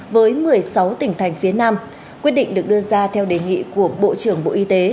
với một mươi sáu tỉnh thành phía nam quyết định được đưa ra theo đề nghị của bộ trưởng bộ y tế